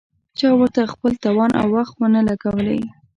چا ورته خپل توان او وخت ونه لګولې.